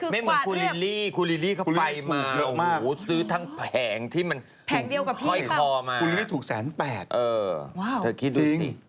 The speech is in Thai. มีคนเดียวที่จะรู้ได้